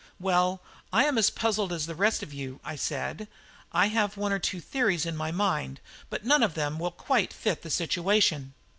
"Well, I am as puzzled as the rest of you," I said. "I have one or two theories in my mind, but none of them will quite fit the situation."